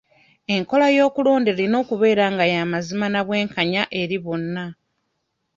Enkola y'okulonda erina okubeera nga y'amazima na bwenkanya eri bonna.